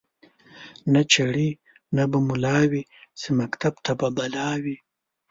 نه چړي نه به مُلا وی چي مکتب ته به بلا وي